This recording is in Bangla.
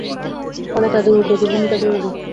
ফলে তাদের উদ্যোগী ভূমিকা জরুরি।